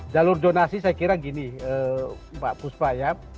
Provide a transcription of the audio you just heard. jalur jonasi saya kira gini pak puspa ya